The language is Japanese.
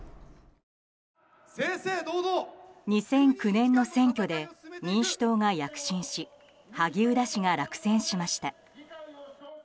２００９年の選挙で民主党が躍進し萩生田氏が落選しました。